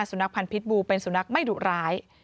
สุนัขพันธ์พิษบูเป็นสุนัขไม่ดุร้าย